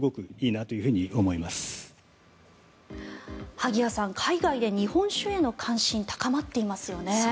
萩谷さん、海外で日本酒への関心が高まっていますよね。